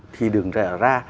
thì đừng rẻ ra